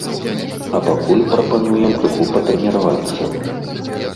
А пакуль прапануем крыху патрэніравацца.